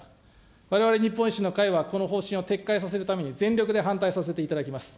われわれ日本維新の会は、この方針を撤回させるために、全力で反対させていただきます。